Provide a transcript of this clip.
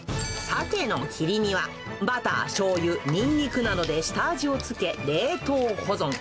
サケの切り身は、バター、しょうゆ、ニンニクなどで下味を付け、冷凍保存。